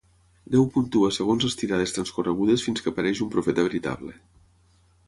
Déu puntua segons les tirades transcorregudes fins que apareix un profeta veritable.